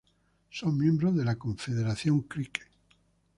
Son miembros de la Confederación Creek.